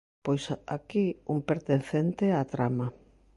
Pois aquí un pertencente á trama.